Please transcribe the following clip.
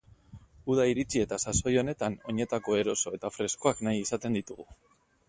Uda iritsi eta sasoi honetan oinetako eroso eta freskoak nahi izaten ditugu.